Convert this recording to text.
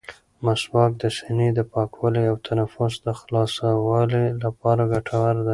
مسواک د سینې د پاکوالي او تنفس د خلاصوالي لپاره ګټور دی.